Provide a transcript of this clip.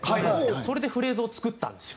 それでフレーズを作ったんですよ。